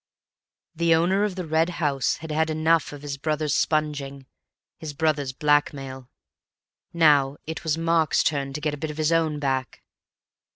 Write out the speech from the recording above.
The owner of the Red House had had enough of his brother's sponging, his brother's blackmail; now it was Mark's turn to get a bit of his own back.